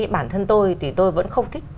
bản thân tôi thì tôi vẫn không thích